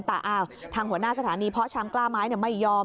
แต่ทางหัวหน้าสถานีเพาะชำกล้าไม้ไม่ยอม